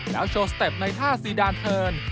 แล้วโชว์สเต็ปในท่าซีดานเทิร์น